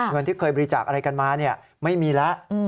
เงินที่เคยบริจาคอะไรกันมาไม่มีแล้ว